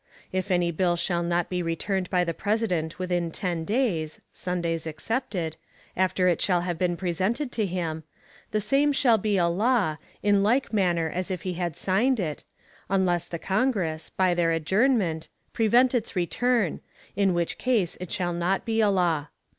If any bill shall not be returned by the President within ten days (Sundays excepted) after it shall have been presented to him, the same shall be a law, in like manner as if he had signed it, unless the Congress, by their adjournment, prevent its return, in which case it shall not be a law.